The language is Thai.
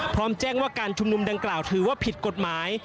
พร้อมแจ้งว่าการชุมนุมดังกล่าวถือว่าผิดกฎหมาย